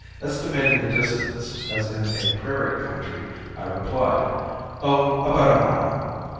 Estimating the distance as in a prairie country I replied, "Oh, about a mile."